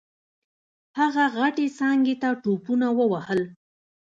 هغه غټې څانګې ته ټوپونه ووهل.